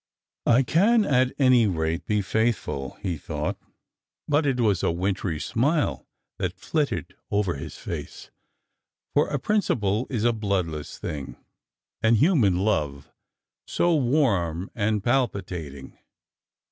WITHOUT FEAR 391 " I can, at any rate, be faithful,'' he thought ; but it was a wintry smile that flitted over his face, for a principle is a bloodless thing, and human love so warm and palpi tating